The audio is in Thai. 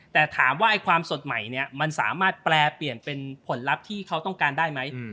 แต่ถามว่าความสดใหม่เนี่ยมันสามารถแปลเปลี่ยนเป็นผลลัพธ์ที่เขาต้องการได้ไหม